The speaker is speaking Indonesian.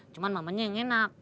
cuman mamanya yang enak